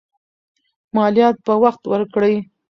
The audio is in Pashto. مالیات په وخت ورکړئ.